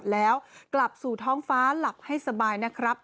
แล้วกลับสู่ท้องฟ้าหลับให้สบายนะครับ